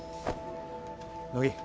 乃木